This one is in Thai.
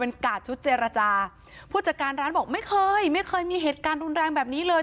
กาดชุดเจรจาผู้จัดการร้านบอกไม่เคยไม่เคยมีเหตุการณ์รุนแรงแบบนี้เลย